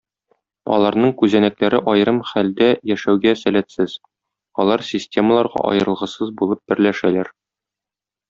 Аларның күзәнәкләре аерым хәлдә яшәүгә сәләтсез, алар системаларга аерылгысыз булып берләшәләр.